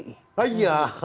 dia orang powerful di pdi